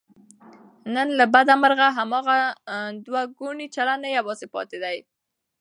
نن له بده مرغه، هماغه دوهګونی چلند نه یوازې پاتې دی